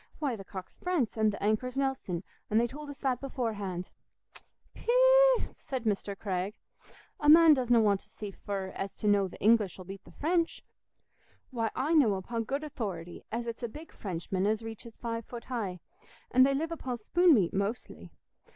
Why, th' cock's France, an' th' anchor's Nelson—an' they told us that beforehand." "Pee—ee eh!" said Mr. Craig. "A man doesna want to see fur to know as th' English 'ull beat the French. Why, I know upo' good authority as it's a big Frenchman as reaches five foot high, an' they live upo' spoon meat mostly.